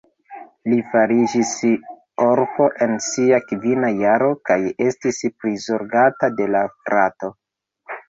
Li fariĝis orfo en sia kvina jaro kaj estis prizorgata de la frato.